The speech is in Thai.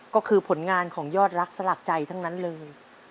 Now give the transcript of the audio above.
ก็คือผลงานของยอดรักสลักใจทั้งนั้นเลย